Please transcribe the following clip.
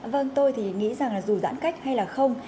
vâng tôi thì nghĩ rằng là dù giãn cách hay là không